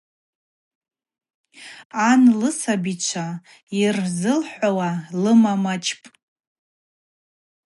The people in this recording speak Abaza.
Ан лысабичва йырзылхауа лымамачӏпӏ.